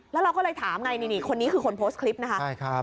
แล้วเราก็เลยถามไงนี่คนนี้คือคนโพสต์คลิปนะคะ